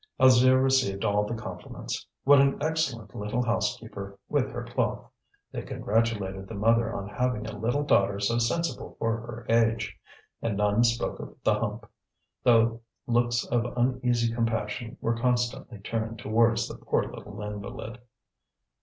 Alzire received all the compliments. What an excellent little housekeeper, with her cloth! They congratulated the mother on having a little daughter so sensible for her age. And none spoke of the hump, though looks of uneasy compassion were constantly turned towards the poor little invalid.